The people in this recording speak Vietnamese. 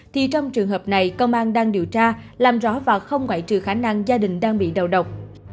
thì trong trường hợp này công an đang điều tra làm rõ và không ngoại trừ khả năng gia đình đang bị đầu độc